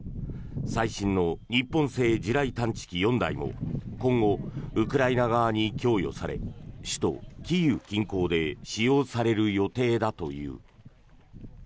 最新の日本製地雷探知機４台も今後、ウクライナ側に供与され首都キーウ近郊で使用される予定だという。